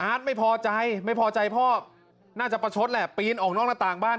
ไม่พอใจไม่พอใจพ่อน่าจะประชดแหละปีนออกนอกหน้าต่างบ้าน